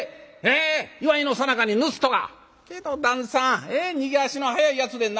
祝いのさなかに盗人が？けど旦さん逃げ足の速いやつでんな」。